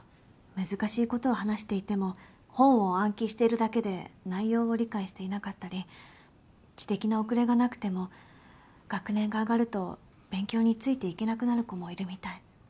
難しい事を話していても本を暗記しているだけで内容を理解していなかったり知的な遅れがなくても学年が上がると勉強についていけなくなる子もいるみたい。